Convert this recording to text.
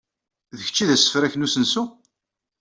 D kečč i d asefrak n usensu?